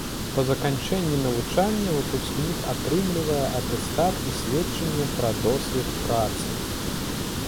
Па заканчэнні навучання выпускнік атрымлівае атэстат і сведчанне пра досвед працы.